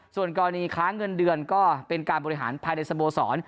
ส่วนกรณีค้าเงินเดือนก็เป็นการบริหารภายในสโมสร